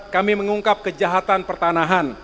kami mengungkap kejahatan pertanahan